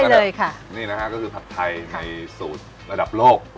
เลยค่ะนี่นะฮะก็คือผัดไทยในสูตรระดับโลก